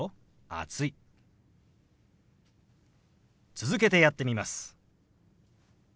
続けてやってみます。